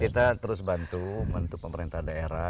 kita terus bantu bantu pemerintah daerah